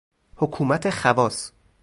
حکومت خواص